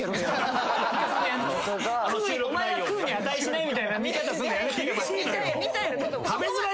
お前が食うに値しないみたいな見方するのやめて。